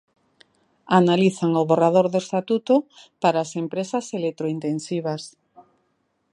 Analizan o borrador do estatuto para as empresas electrointensivas.